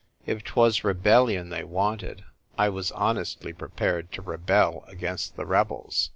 If 'twas rebellion they wanted, I was honestly pre pared to rebel against the rebels.